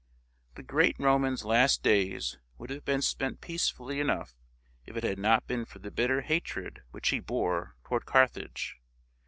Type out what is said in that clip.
The great Roman's last days would have been spent peacefully enough if it had not been for the bitter hatred which he bore toward Carthage.